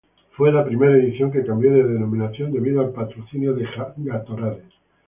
Fue la primera edición que cambió de denominación debido al patrocinio de Gatorade.